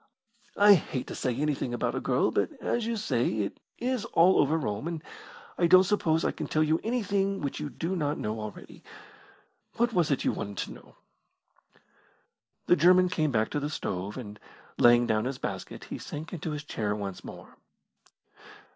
I hate saying anything about a girl, but, as you say, it is all over Rome, and I don't suppose I can tell you anything which you do not know already. What was it you wanted to know?" The German came back to the stove, and, laying down his basket, he sank into his chair once more.